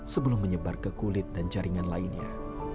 sebelum menyebar ke kulit dan jaringan lainnya